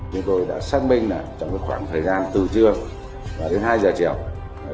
nhưng tôi đã xác minh là trong khoảng thời gian từ trưa đến hai giờ chiều